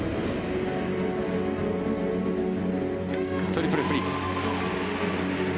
トリプルフリップ。